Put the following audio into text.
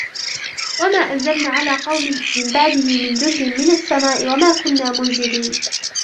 وما أنزلنا على قومه من بعده من جند من السماء وما كنا منزلين